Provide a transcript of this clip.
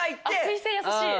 水性優しい！